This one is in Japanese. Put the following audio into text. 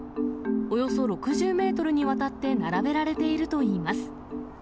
およそ６０メートルにわたって並べられているといいます。